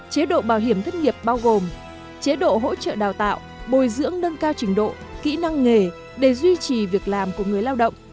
chế độ bảo hiểm thất nghiệp bao gồm chế độ hỗ trợ đào tạo bồi dưỡng nâng cao trình độ kỹ năng nghề để duy trì việc làm của người lao động